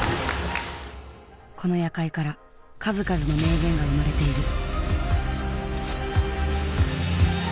この夜会から数々の名言が生まれている。